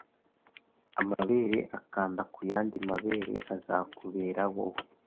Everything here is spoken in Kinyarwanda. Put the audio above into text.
Amabere akanda ku yandi mabere azakubera wowe!